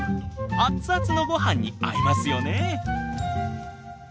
アツアツのごはんに合いますよね！